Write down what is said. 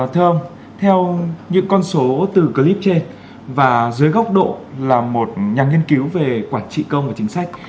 thưa ông theo những con số từ clip trên và dưới góc độ là một nhà nghiên cứu về quản trị công và chính sách